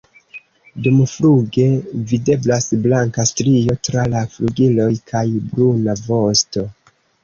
Dumfluge videblas blanka strio tra la flugiloj kaj bruna vosto.